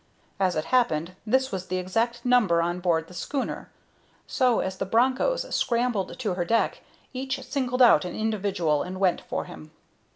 As it happened, this was the exact number on board the schooner. So, as the Bronchos scrambled to her deck, each singled out an individual and went for him.